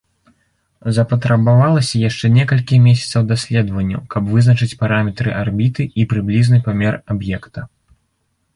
Запатрабавалася яшчэ некалькі месяцаў даследаванняў, каб вызначыць параметры арбіты і прыблізны памер аб'екта.